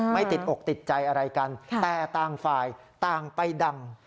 ไม่ติดอกติดใจอะไรกันแต่ต่างฝ่ายต่างไปดัง